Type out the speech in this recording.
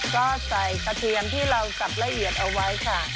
ก็ใส่กระเทียมที่เราสับละเอียดเอาไว้ค่ะ